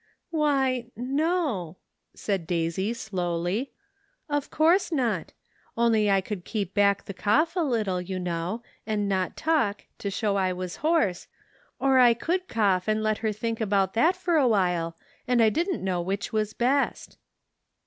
"Why, no," said Daisy slowly, "of course not ; only I could keep back the cough a little, you know, and not talk, to show I was hoarse, WAITING. 127 or I could cough and let her think about that for a while, and I didn't know which was best."